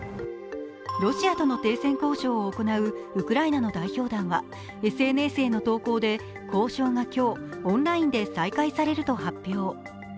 ロシアとの停戦交渉を行うウクライナの代表団はＳＮＳへの投稿で交渉が今日、オンラインで再開されると発表。